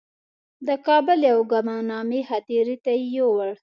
د کابل یوې ګمنامې هدیرې ته یې یووړ.